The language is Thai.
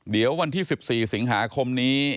เดี๋ยววันที่๑๔สิงหาคมนี้